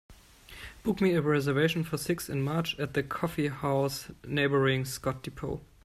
Book me a reservation for six in Mar. at a coffeehouse neighboring Scott Depot